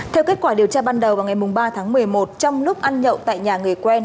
theo kết quả điều tra ban đầu vào ngày ba tháng một mươi một trong lúc ăn nhậu tại nhà người quen